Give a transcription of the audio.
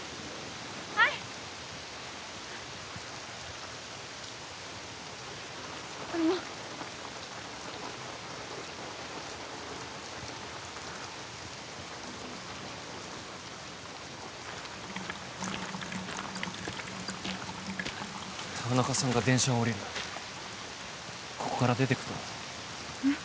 はいこれも田中さんが電車を降りるここから出ていくとえっ？